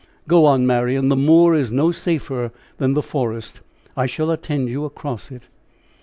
"Go on, Marian, the moor is no safer than the forest; I shall attend you across it."